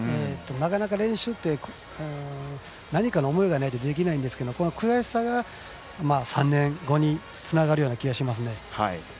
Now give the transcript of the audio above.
なかなか練習って何か思いがないとできませんがこの悔しさが３年後につながる気がしますね。